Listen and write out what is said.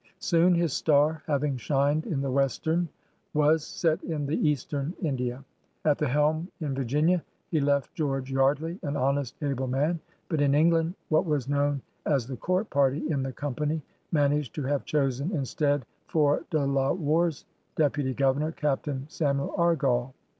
Soon his star *^ having shined in the Westeme, was set in the Easteme India. " At the helm in Virginia he left George Yeardley, an honest, able man. But in England, what was known as the "court party *' in the Company managed to have chosen instead for De La Warr's deputy governor, Captain Samuel Argall.